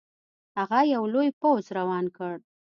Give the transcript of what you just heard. هغه یو لوی پوځ روان کړ.